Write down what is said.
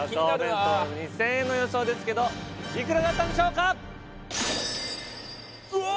さあカカオ弁当２０００円の予想ですけどいくらだったんでしょうかうおー！